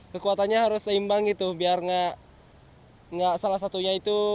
kekuatannya harus seimbang gitu biar nggak salah satunya itu